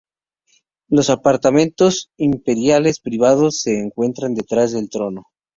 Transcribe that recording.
Los apartamentos imperiales privados se encuentran detrás del trono.